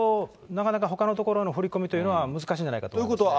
なかなかほかのところの振り込みというのは難しいんではないかと思います。